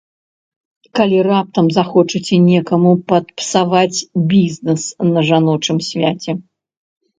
Калі раптам захочаце некаму падпсаваць бізнэс на жаночым свяце.